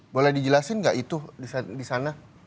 boleh dijelasin nggak itu di sana